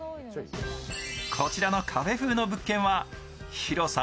こちらのカフェ風の物件は広さ